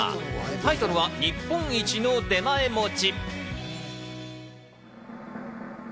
タイトルは日本一の出前持ち。